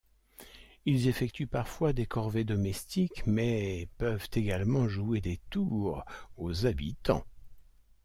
Ils effectuent parfois des corvées domestiques, mais peuvent également jouer des tours aux habitants.